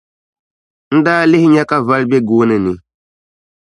n daa lihi nya ka voli be gooni ni.